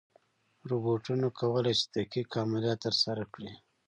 روبوټونه کولی شي دقیق عملیات ترسره کړي.